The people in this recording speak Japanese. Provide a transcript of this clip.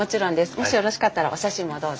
もしよろしかったらお写真もどうぞ。